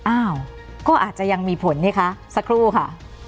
อ้าวก็อาจจะยังมีผลนี่คะสักครู่ค่ะ